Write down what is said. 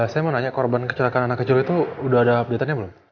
saya mau nanya korban kecelakaan anak kecil itu udah ada update nya belum